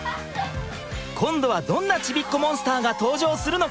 今度はどんなちびっこモンスターが登場するのか？